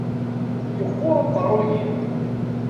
Yeqquṛ uqeṛṛu-yim.